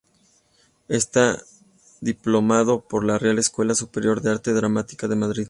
Está diplomado por la Real Escuela Superior de Arte Dramático de Madrid.